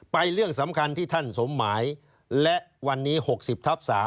เรื่องสำคัญที่ท่านสมหมายและวันนี้๖๐ทับ๓